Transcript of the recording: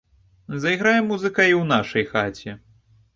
Зайграе музыка і ў нашай хаце.